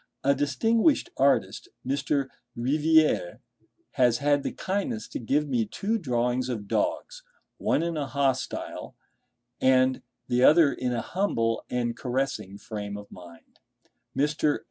A distinguished artist, Mr. Riviere, has had the kindness to give me two drawings of dogs—one in a hostile and the other in a humble and caressing frame of mind. Mr.